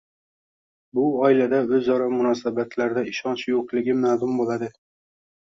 bu oilada o‘zaro munosabatlarda ishonch yo‘qligi ma’lum bo‘ladi.